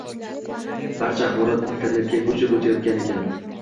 barcha axborot internetga ko‘chib o‘tayotgan ekan